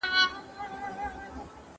¬ دښمن مړ که، مړانه ئې مه ورکوه.